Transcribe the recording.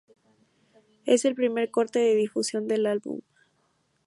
Es el primer corte de difusión del álbum.